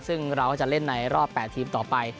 ซึ่งเราก็จะเล่นในรอบ๘ทีมต่อไป